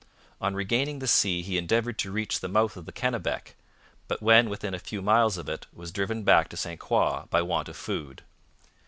On regaining the sea he endeavoured to reach the mouth of the Kennebec, but when within a few miles of it was driven back to St Croix by want of food.